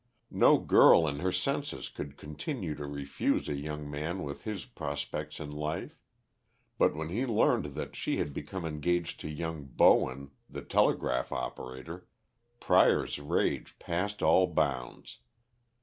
No girl in her senses could continue to refuse a young man with his prospects in life. But when he heard that she had become engaged to young Bowen, the telegraph operator, Prior's rage passed all bounds.